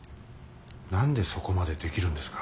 何でそこまでできるんですか？